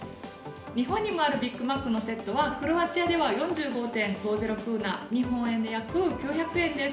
日本にもあるビッグマックのセットは、クロアチアでは４５．５０クーナ、日本円で約９００円です。